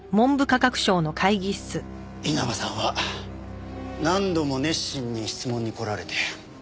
稲葉さんは何度も熱心に質問に来られて。